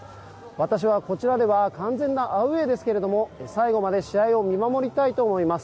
私はこちらでは完全なアウェーですけれども最後まで試合を見守りたいと思います。